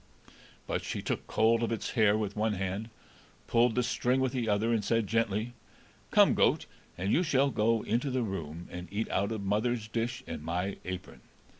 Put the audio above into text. But she took hold of its hair with one hand, pulled the string with the other, and said gently, "Come, goat, and you shall go into the room and eat out of mother's dish and my apron."